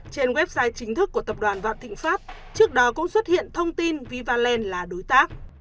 trên website chính thức của tập đoàn vạn thịnh pháp trước đó cũng xuất hiện thông tin vivaland là đối tác